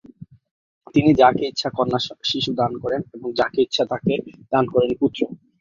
তিনি যাকে ইচ্ছা কন্যা শিশু দান করেন এবং তিনি যাকে ইচ্ছা তাকে দান করেন পুত্র।